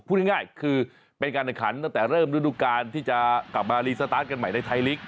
พูดง่ายคือเป็นการแข่งขันตั้งแต่เริ่มฤดูการที่จะกลับมารีสตาร์ทกันใหม่ในไทยลีก